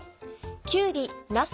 きゅうりなす